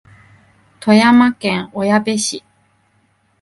富山県小矢部市